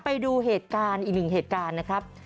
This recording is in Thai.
ไปดูเหตุการณ์อีกหนึ่งเหตุการณ์นะครับ